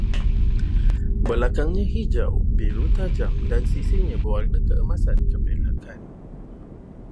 Belakangnya hijau-biru tajam, dan sisinya berwarna keemasan-keperakan